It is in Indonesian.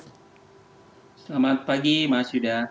selamat pagi mas yudha